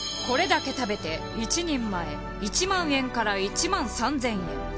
これだけ食べて１人前１万円から１万３０００円。